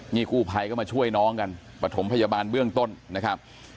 นี่กู้ภัยก็มาช่วยน้องกันปฐมพยาบาลเบื้องต้นนะครับ